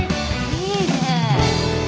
いいね。